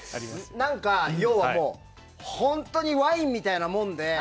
何か、要は本当にワインみたいなもので。